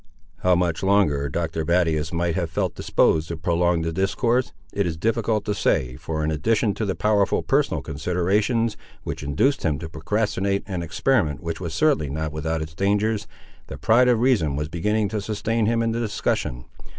How much longer Doctor Battius might have felt disposed to prolong the discourse, it is difficult to say, for in addition to the powerful personal considerations, which induced him to procrastinate an experiment which was certainly not without its dangers, the pride of reason was beginning to sustain him in the discussion.